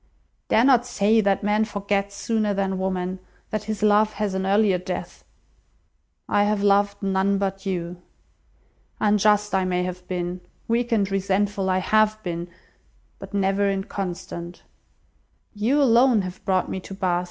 Dare not say that man forgets sooner than woman, that his love has an earlier death. I have loved none but you. Unjust I may have been, weak and resentful I have been, but never inconstant. You alone have brought me to Bath.